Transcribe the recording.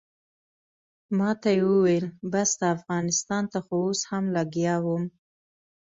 ماته یې وویل بس ده افغانستان ته خو اوس هم لګیا وم.